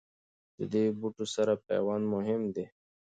د دې بوټو سره پیوند مهم دی.